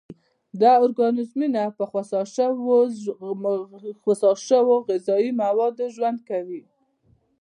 دا ارګانیزمونه په خوسا شوي غذایي موادو ژوند کوي.